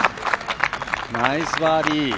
ナイスバーディー。